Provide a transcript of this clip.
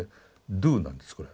ドゥーなんですこれ。